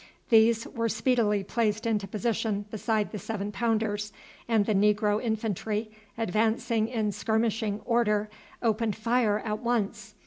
These were speedily placed into position beside the seven pounders, and the negro infantry, advancing in skirmishing order, opened fire at once.